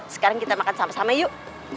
sekarang kita makan sama sama yuk